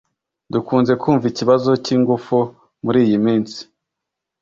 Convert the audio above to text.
Dukunze kumva ikibazo cyingufu muriyi minsi.